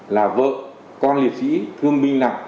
là vợ con liệt sĩ thương minh lặng